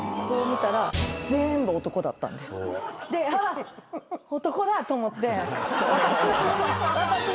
こう見たら全部男だったんです。と思って私だ！